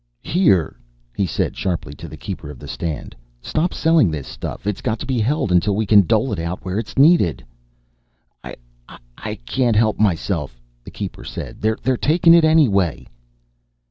"Here," he said sharply to the keeper of the stand, "stop selling this stuff. It's got to be held until we can dole it out where it's needed." "I I can't help myself," the keeper said. "They're takin' it anyway."